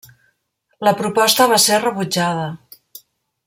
La proposta va ser rebutjada.